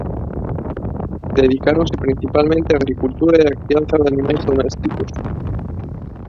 Dedicáronse principalmente á agricultura e á crianza de animais domésticos.